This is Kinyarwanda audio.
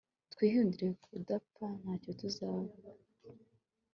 Twihinduye kudapfa ntacyo tuzaba